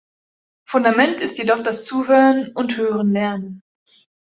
Fundament ist jedoch das Zuhören und Hören-Lernen.